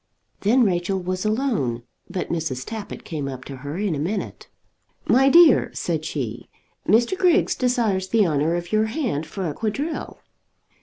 Then Rachel was alone, but Mrs. Tappitt came up to her in a minute. "My dear," said she, "Mr. Griggs desires the honour of your hand for a quadrille."